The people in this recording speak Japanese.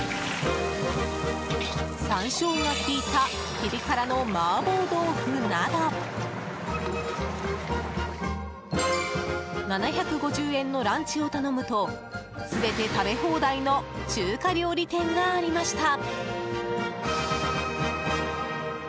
山椒が効いたピリ辛の麻婆豆腐など７５０円のランチを頼むと全て食べ放題の中華料理店がありました。